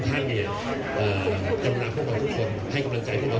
ดับขอบคุณทุกท่านนะครับที่ช่วยให้กำลังใจกับพวกเรา